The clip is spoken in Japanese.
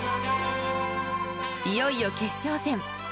いよいよ決勝戦。